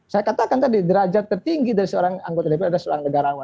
saya katakan tadi derajat tertinggi dari seorang anggota dpr adalah seorang negarawan